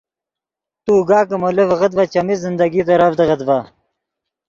تو اوگا کہ مولو ڤیغت ڤے چیمی زندگی ترڤدیغت ڤے